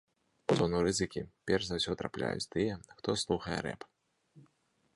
У зону рызыкі перш за ўсё трапляюць тыя, хто слухае рэп.